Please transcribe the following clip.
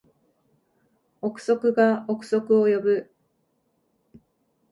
憶測が憶測を呼ぶ